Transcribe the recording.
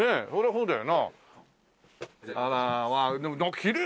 そうだよ。